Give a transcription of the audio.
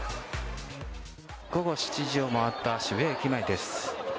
午後７時を回った渋谷駅前です。